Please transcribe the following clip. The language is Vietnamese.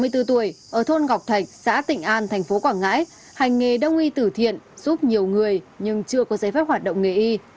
từ tuổi ở thôn ngọc thạch xã tịnh an thành phố quảng ngãi hành nghề đông y từ thiện giúp nhiều người nhưng chưa có giấy phép hoạt động nghề y